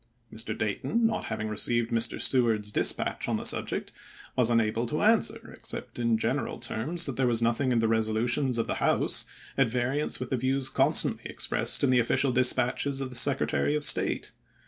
Mr. Dayton, not having received Mr. Seward's dispatch on the subject, was unable to answer, except in general terms that there was nothing in the resolutions of the House at variance with the views constantly expressed in the official dispatches of the Secretary of State.